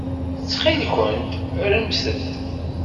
Ttxil-kent rremt-d.